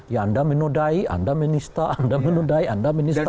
ya anda menudai anda menista anda menudai anda menista